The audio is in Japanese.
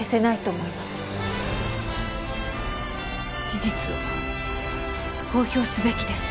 事実を公表すべきです。